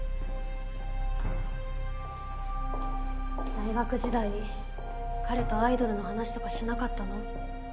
大学時代彼とアイドルの話とかしなかったの？